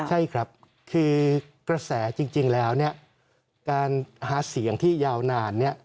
ใช่ครับคือกระแสจริงแล้วเนี่ยการหาเสียงที่ยาวนานเนี่ย